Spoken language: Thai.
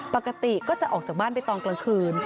ปกติก็จะออกจากบ้านไปตอนกลางคืน